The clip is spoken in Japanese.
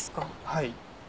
はい。